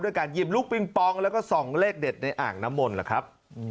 ด้วยการหยิบลูกปริงปองแล้วก็๒เลขเด็ดในอ่างนมล่ะครับ